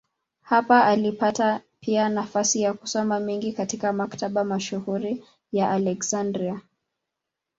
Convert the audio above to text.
Hapa alipata pia nafasi ya kusoma mengi katika maktaba mashuhuri ya Aleksandria.